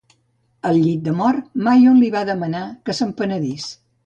Al llit de mort, Mayon li va demanar que s"en penedís.